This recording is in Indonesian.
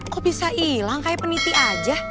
kok bisa hilang kayak peniti aja